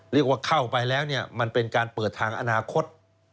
เรียกว่าเข้าไปแล้วเนี่ยมันเป็นการเปิดทางอนาคต